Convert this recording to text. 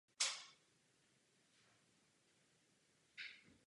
Původní dolní stanice je využívána jako technické zázemí provozovatele.